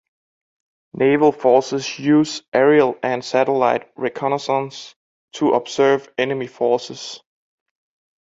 Naval forces use aerial and satellite reconnaissance to observe enemy forces.